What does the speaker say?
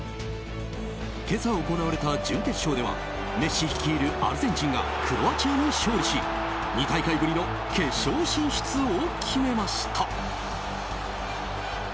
今朝行われた準決勝ではメッシ率いるアルゼンチンがクロアチアに勝利し２大会ぶりの決勝進出を決めました。